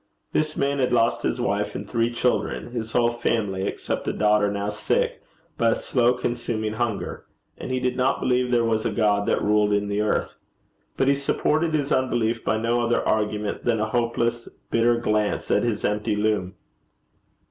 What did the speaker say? This man had lost his wife and three children, his whole family except a daughter now sick, by a slow consuming hunger; and he did not believe there was a God that ruled in the earth. But he supported his unbelief by no other argument than a hopeless bitter glance at his empty loom.